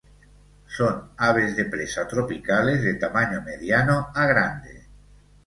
Son aves de presa tropicales de tamaño mediano a grande.